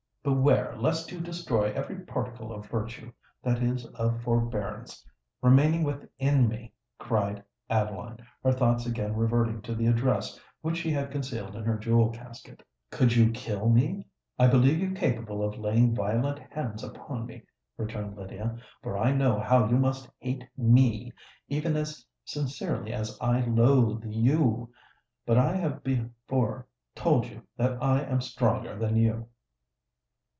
"Beware lest you destroy every particle of virtue—that is, of forbearance—remaining within me," cried Adeline, her thoughts again reverting to the address which she had concealed in her jewel casket. "Could you kill me, I believe you capable of laying violent hands upon me," returned Lydia; "for I know how you must hate me—even as sincerely as I loathe you! But I have before told you that I am stronger than you!"